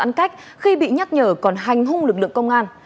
giãn cách khi bị nhắc nhở còn hành hung lực lượng công an